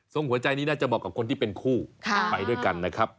หัวใจนี้น่าจะเหมาะกับคนที่เป็นคู่ไปด้วยกันนะครับ